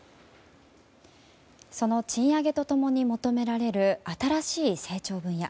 その賃上げと共に求められる新しい成長分野。